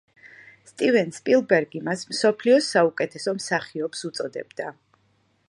სტივენ სპილბერგი მას მსოფლიოს საუკეთესო მსახიობს უწოდებდა.